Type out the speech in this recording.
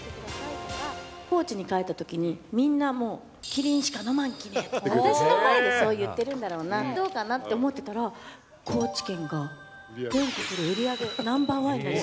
高知に帰ったときに、みんなもう、麒麟しか飲まんきねと、私の前でそう言ってるのかな、どうなのかなと思ってたら、高知県が全国で売り上げナンバー１になって。